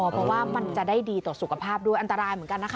เพราะว่ามันจะได้ดีต่อสุขภาพด้วยอันตรายเหมือนกันนะคะ